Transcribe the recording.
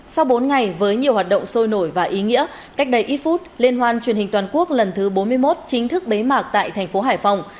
sau bốn ngày với nhiều hoạt động sôi nổi và ý nghĩa cách đây ít phút liên hoan truyền hình toàn quốc lần thứ bốn mươi một chính thức bế mạc tại thành phố hải phòng